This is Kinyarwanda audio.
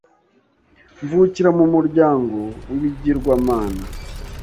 mvukira mu muryango w’ibigirwamana